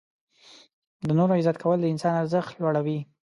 • د نورو عزت کول د انسان ارزښت لوړوي.